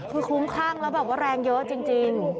คือคลุ้มคลั่งแล้วแบบว่าแรงเยอะจริง